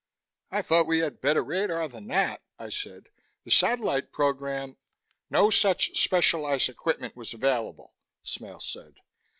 "I thought we had better radar than that," I said. "The satellite program " "No such specialized equipment was available," Smale said.